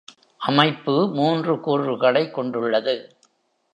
அமைப்பு மூன்று கூறுகளைக் கொண்டுள்ளது.